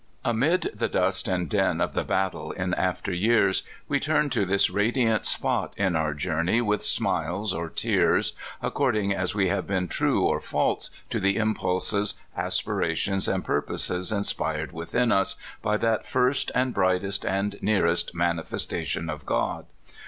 Amid the dust and din of the battle in after years we turn to this radiant spot in our journey with smiles or tears, according as we have been true or false to the impulses, aspirations, and purposes inspired within us by that first, and brightest, and nearest manifestation of God.